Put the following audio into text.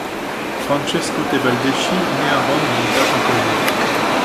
Francesco Tebaldeschi nait à Rome à une date inconnue.